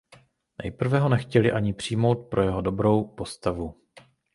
Nejprve ho nechtěli ani přijmout pro jeho drobnou postavu.